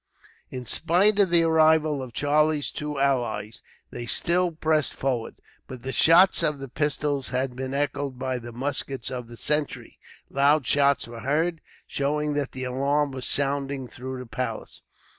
In spite of the arrival of Charlie's two allies, they still pressed forward, but the shots of the pistols had been echoed by the muskets of the sentries. Loud shouts were heard, showing that the alarm was sounding through the palace.